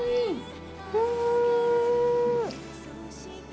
うん！